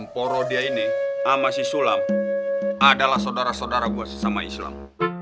porodia ini sama si sulam adalah saudara saudara gua sama islam